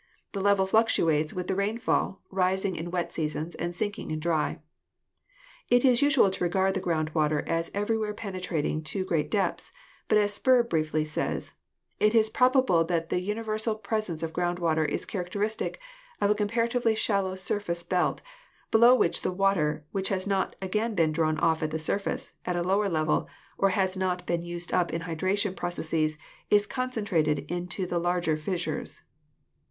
The level fluctuates with the rainfall, rising in wet seasons and sinking in dry. It is usual to regard the ground water as everywhere penetrating to great depths, but as Spurr briefly says : "It is probable that the universal presence of ground water is characteristic of a comparatively shallow surface belt, below which the water which has not been again drawn off at the surface, at a lower level, or has not been used up in hydration processes, is concentrated into the larger fis sures."